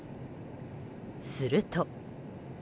すると。